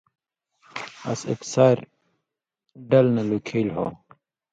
اَس ایک ساریۡ ڈَل نہ لُکھیلیۡ ہو۔